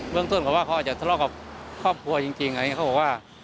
เบื้องต้นก็ว่าเขาอาจจะสลอกกับครอบครัวจริงจริงอะไรอย่างนี้เขาบอกว่า